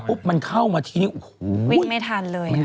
พบเมื่อเข้ามายินไม่ทันเลย